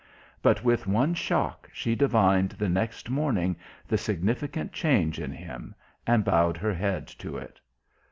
But with one shock she divined the next morning the significant change in him, and bowed her head to it.